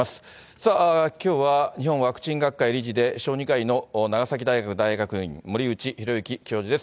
さあ、きょうは日本ワクチン学会理事で小児科医の長崎大学大学院、森内浩幸教授です。